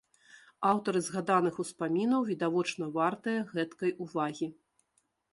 Аўтары згаданых успамінаў відавочна вартыя гэткай увагі.